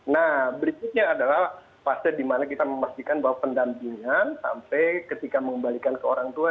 nah berikutnya adalah fase dimana kita memastikan bahwa pendampingan sampai ketika mengembalikan ke orang tua